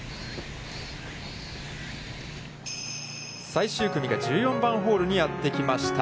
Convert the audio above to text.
最終組が１４番ホールにやってきました。